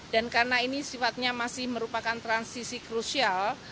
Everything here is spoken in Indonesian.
dan karena ini sifatnya masih merupakan transisi krusial